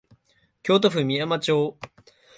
京都府久御山町